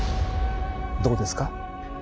どうですか？